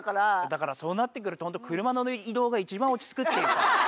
だからそうなってくると本当車の移動が一番落ち着くっていう。